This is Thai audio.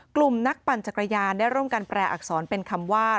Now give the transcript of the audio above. กลุ่มนักปั่นจักรยานได้ร่วมกันแปลอักษรเป็นคำว่า